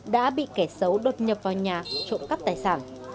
đã bị kẻ xấu đột nhập vào nhà trộm cắp tài sản